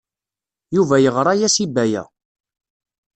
Yuba yeɣra-as i Baya.